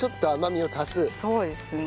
そうですね。